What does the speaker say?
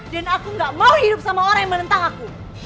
dan aku gak mau hidup sama orang yang menentang aku